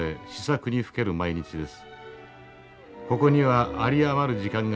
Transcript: ここには有り余る時間があります。